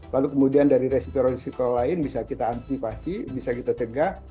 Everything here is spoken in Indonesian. lalu kemudian dari resiko resiko lain bisa kita antisipasi bisa kita cegah